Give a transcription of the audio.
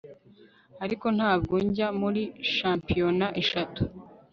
Ariko ntabwo njya muri shampiyona eshatu